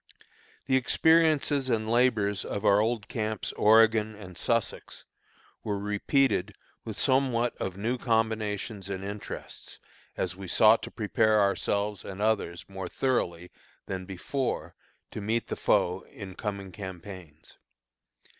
The experiences and labors of our old camps "Oregon" and "Sussex" were repeated with somewhat of new combinations and interests, as we sought to prepare ourselves and others more thoroughly than before to meet the foe in coming campaigns.